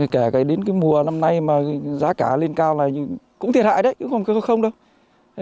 kể đến mùa năm nay mà giá cả lên cao là cũng thiệt hại đấy không đâu